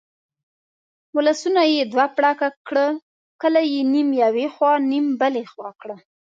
ولسونه یې دوه پړکه کړه، کلي یې نیم یو خوا نیم بلې خوا کړه.